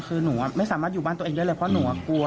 คือหนูไม่สามารถอยู่บ้านตัวเองได้เลยเพราะหนูกลัว